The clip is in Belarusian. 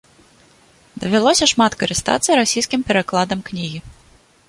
Давялося шмат карыстацца расійскім перакладам кнігі.